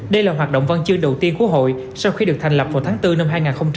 đây là hoạt động văn chương đầu tiên của hội sau khi được thành lập vào tháng bốn năm hai nghìn hai mươi